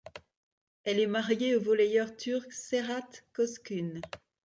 Elle est mariée au volleyeur turc Serhat Coşkun.